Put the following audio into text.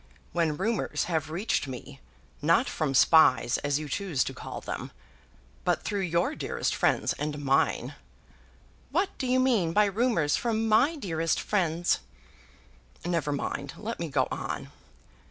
When rumours have reached me, not from spies, as you choose to call them, but through your dearest friends and mine " "What do you mean by rumours from my dearest friends?" "Never mind. Let me go on."